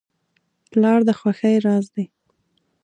پلار د خوښۍ راز دی.